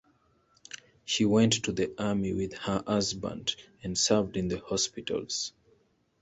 She went to the army with her husband and served in the hospitals.